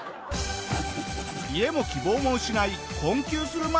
家も希望も失い困窮する毎日。